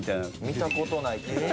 見たことない記号。